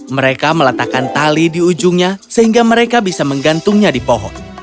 mereka meletakkan tali di ujungnya sehingga mereka bisa menggantungnya di pohon